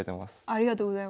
ありがとうございます。